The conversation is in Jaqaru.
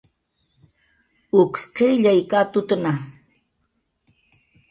Uk qillay katutna